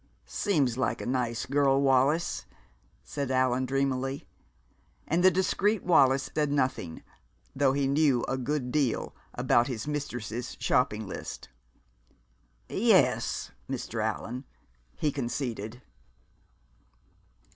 "Seems like a nice girl, Wallis," said Allan dreamily. And the discreet Wallis said nothing (though he knew a good deal) about his mistress's shopping list. "Yes, Mr. Allan," he conceded.